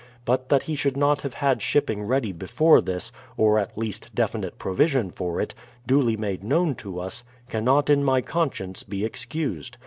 But that he should not have had shipping ready before this, or at least definite provision for it, duly made known to us, cannot in my conscience be excused.